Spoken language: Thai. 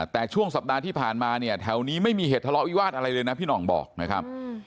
แต่ช่วงสัปดาห์ที่ผ่านมาเนี่ยแถวนี้ไม่มีเหตุทะเลาะวิวาสอะไรเลยนะพี่หน่องบอกนะครับ